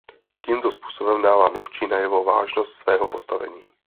Tímto způsobem dává mluvčí najevo vážnost svého postavení.